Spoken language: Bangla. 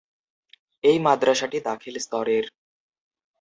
এই মাদ্রাসাটি দাখিল স্তরের।